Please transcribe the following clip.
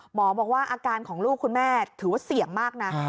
หมอบอกว่าอาการของลูกคุณแม่ถือว่าเสี่ยงมากนะ